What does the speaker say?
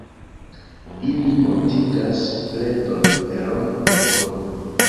Ili mortigas predon per rompo de kolo.